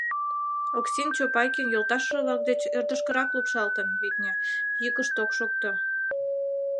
Оксин Чопайкин йолташыже-влак деч ӧрдыжкырак лупшалтын, витне, йӱкышт ок шокто.